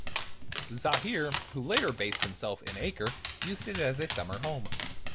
Zahir, who later based himself in Acre, used it as a summer home.